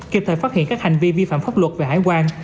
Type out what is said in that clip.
kịp thời phát hiện các hành vi vi phạm pháp luật về hải quan